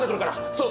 そう！